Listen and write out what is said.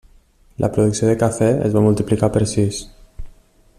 La producció de cafè es va multiplicar per sis.